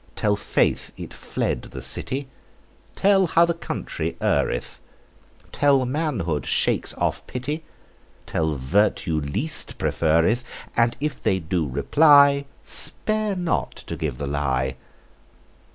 Tell faith it's fled the city; Tell how the country erreth; Tell manhood, shakes off pity; Tell virtue, least preferred. And if they do reply, Spare not to give the lie.